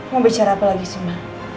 mau bicara apa lagi sih mbak